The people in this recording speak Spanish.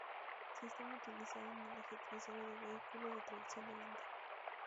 Sistema utilizado en el eje trasero de vehículos de tracción delantera.